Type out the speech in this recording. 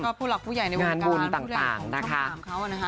ก็ผู้หลักผู้ใหญ่ในวัฒน์การผู้เลี่ยงของอาหารเพราะนะคะ